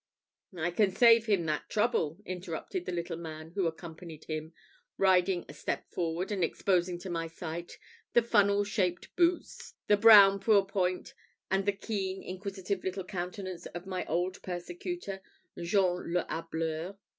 "I can save him that trouble," interrupted the little man who accompanied him, riding a step forward, and exposing to my sight the funnel shaped boots, the brown pourpoint, and the keen, inquisitive little countenance of my old persecutor, Jean le Hableur.